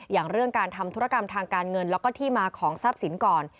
อย่างเรื่องการทำธุรกรรมทางการเงินแล้วก็ที่มาของทรัพย์สินก่อน